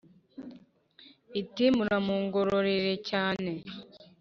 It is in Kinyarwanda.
iti: muramungororere cyane